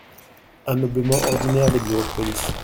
Ameublement ordinaire des bureaux de police…